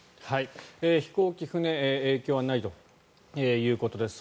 飛行機、船に影響はないということです。